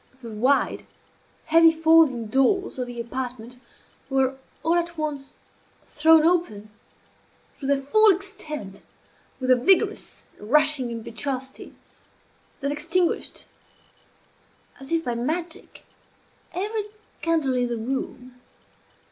The wide, heavy folding doors of the apartment were all at once thrown open, to their full extent, with a vigorous and rushing impetuosity that extinguished, as if by magic, every candle in the room.